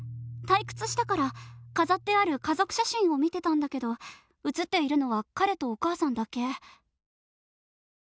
退屈したから飾ってある家族写真を見てたんだけど写っているのは彼とお母さんだけ。